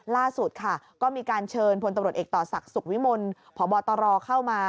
ล่าสุดค่ะก็มีการเชิญพลตำรวจเอกต่อศักดิ์สุขวิมลพบตรเข้ามา